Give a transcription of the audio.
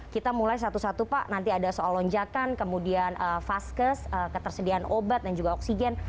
kita mulai satu satu pak nanti ada soal lonjakan kemudian vaskes ketersediaan obat dan juga oksigen